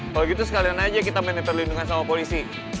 kalau gitu sekalian aja kita mana perlindungan sama polisi